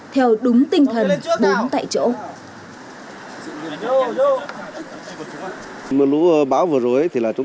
theo đúng quyền của bà con